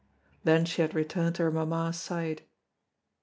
Then she had returned to her mamma's side.